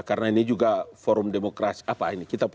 karena ini juga forum demokrasi apa ini